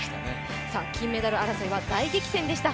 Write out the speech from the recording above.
金メダル争いは大激戦でした。